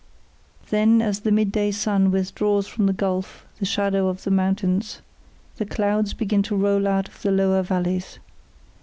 Then, as the midday sun withdraws from the gulf the shadow of the mountains, the clouds begin to roll out of the lower valleys.